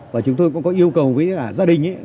và chúng tôi cũng có yêu cầu với cả gia đình